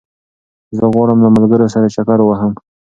زه غواړم له ملګرو سره چکر ووهم